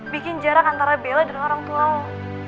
bikin jarak antara bella dan orang tua lo